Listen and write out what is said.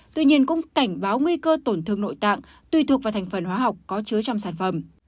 tuy nhiên cũng cảnh báo nguy cơ tổn thương nội tạng tùy thuộc vào thành phần hóa học có chứa trong sản phẩm